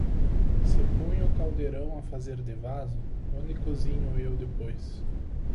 Se ponho o caldeirão a fazer de vaso, onde cozinho eu depois?